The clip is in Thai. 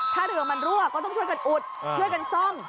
ถ้าเรือมันรั่วก็ต้องช่วยกันอุดช่วยกันซ่อม